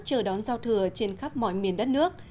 chờ đón giao thừa trên khắp mọi miền đất nước